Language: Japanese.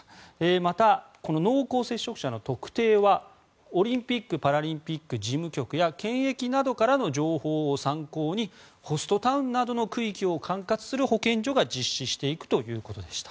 また、濃厚接触者の特定はオリンピック・パラリンピック事務局や検疫などからの情報を参考にホストタウンなどの区域を管轄する保健所が実施していくということでした。